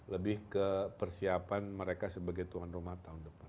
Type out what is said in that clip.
lebih ke persiapan mereka sebagai tuan rumah tahun depan